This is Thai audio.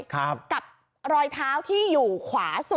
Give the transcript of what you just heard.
กับรอยเท้าที่อยู่ขวาสุด